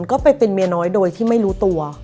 ก็ไปเป็นเมียน้อยโดยที่ไม่รู้ตัว